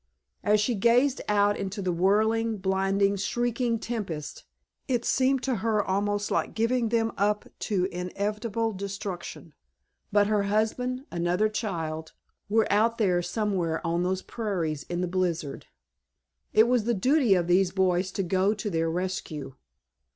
As she gazed out into the whirling, blinding, shrieking tempest it seemed to her almost like giving them up to inevitable destruction. But her husband, another child, were out there somewhere on those prairies in the blizzard. It was the duty of these boys to go to their rescue.